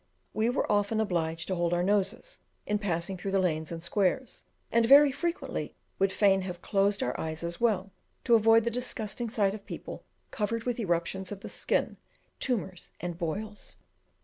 We were often obliged to hold our noses in passing through the lanes and squares, and very frequently would fain have closed our eyes as well, to avoid the disgusting sight of people covered with eruptions of the skin, tumours, and boils.